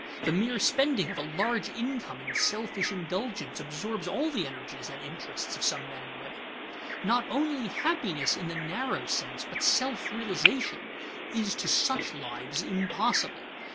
The mere spending of a large income in selfish indulgence absorbs all the energies and interests of some men and women. Not only happiness in the narrow sense, but self realization, is to such lives impossible.